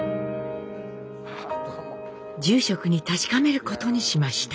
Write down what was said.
住職に確かめることにしました。